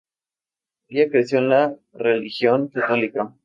Ella creció en la religión católica.